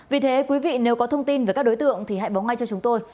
vì thế quý vị nếu có thông tin về các đối tượng thì hãy báo ngay cho chúng tôi